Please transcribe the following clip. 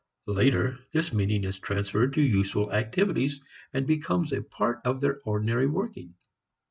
Later this meaning is transferred to useful activities and becomes a part of their ordinary working.